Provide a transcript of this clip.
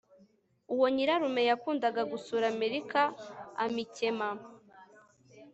uwo nyirarume yakundaga gusura amerika amikema